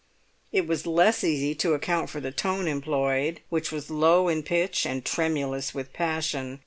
It was less easy to account for the tone employed, which was low in pitch and tremulous with passion.